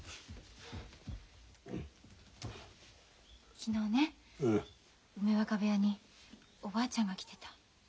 昨日ね梅若部屋におばあちゃんが来てた。